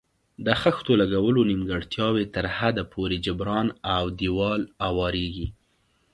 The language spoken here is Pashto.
د خښتو لګولو نیمګړتیاوې تر حده پورې جبران او دېوال اواریږي.